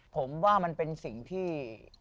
ผมว่ามันเป็นสิ่งที่